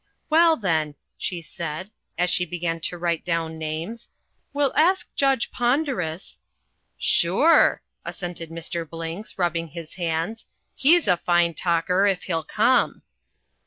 "Well, then," she said, as she began to write down names, "we'll ask Judge Ponderus " "Sure!" assented Mr. Blinks, rubbing his hands. "He's a fine talker, if he'll come!"